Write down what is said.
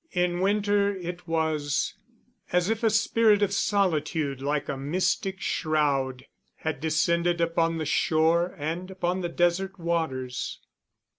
In winter it was as if a spirit of solitude, like a mystic shroud, had descended upon the shore and upon the desert waters.